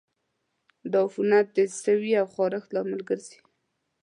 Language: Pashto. دا عفونت د سوي او خارښت لامل ګرځي.